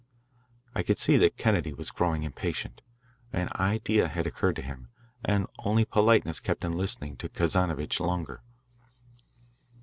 I could see that Kennedy was growing impatient. An idea had occurred to him, and only politeness kept him listening to Kazanovitch longer.